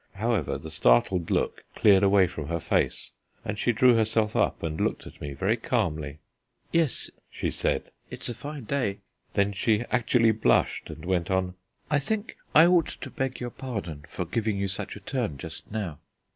However, the startled look cleared away from her face, and she drew herself up and looked at me very calmly. "Yes," she said, "it's a fine day." Then she actually blushed and went on: "I think I ought to beg your pardon for giving you such a turn just now."